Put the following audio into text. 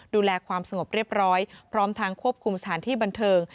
ดูแลความสงบเรียบร้อยพร้อมทางควบคุมสถานที่บันเทิง